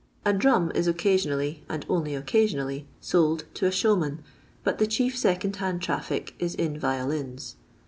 A drum is occasionally, and only occasionally, sold to a showman, but the chief second hand traffic is in violins.